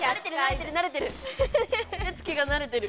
手つきが慣れてる。